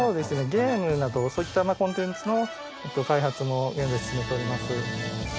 ゲームなどそういったコンテンツの開発も現在進めております。